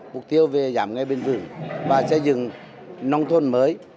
mục tiêu về giảm ngay bên vườn và xây dựng nông thôn mới